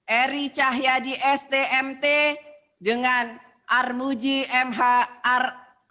eri cahyadi stmt dengan armuji m h ar